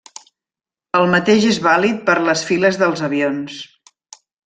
El mateix és vàlid per les files dels avions.